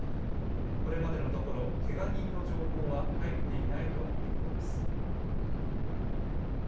これまでのところけが人の情報は入っていないということです。